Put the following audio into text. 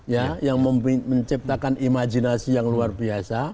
ya yang menciptakan imajinasi yang luar biasa